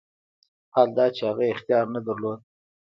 حال دا چې هغه اختیار نه درلود.